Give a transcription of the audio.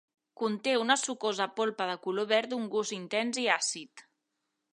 Conté una sucosa polpa de color verd d'un gust intens i àcid.